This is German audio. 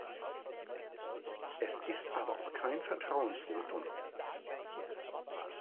Es ist aber auch kein Vertrauensvotum.